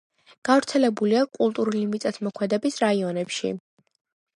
გავრცელებულია კულტურული მიწათმოქმედების რაიონებში.